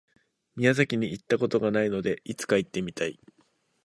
宮崎に行った事がないので、いつか行ってみたい。